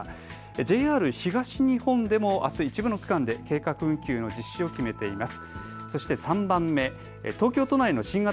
ＪＲ東日本でもあす一部の区間で計画運休の実施を決めています。